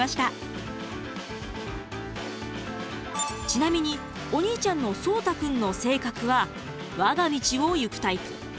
ちなみにお兄ちゃんの聡大くんの性格はわが道を行くタイプ。